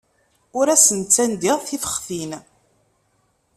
Ur asen-ttandiɣ tifextin.